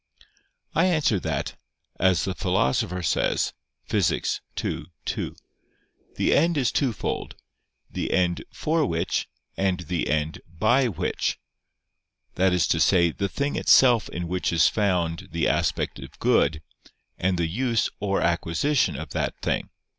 I answer that, As the Philosopher says (Phys. ii, 2), the end is twofold the end "for which" and the end "by which"; viz. the thing itself in which is found the aspect of good, and the use or acquisition of that thing.